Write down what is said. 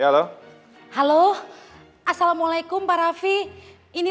leli kok nunggu onu